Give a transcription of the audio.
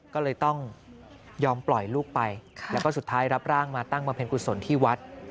ก็เลยต้องยอมปล่อยลูกไปแล้วก็สุดท้ายรับร่างมาตั้งบำเพ็ญกุศลที่วัด